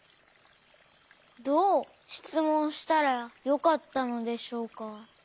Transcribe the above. どうしつもんしたらよかったのでしょうか。